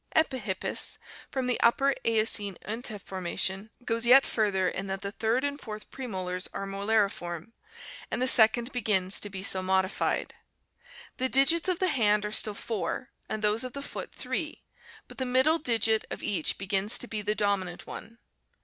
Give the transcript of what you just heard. Epikippus, from the Upper Eocene Uinta formation, goes yet further in that the third and fourth premolars are molariform and the second begins to be so modified. The digits of the hand are still four and those of the foot three, but the middle digit of each begins to be the dominant one.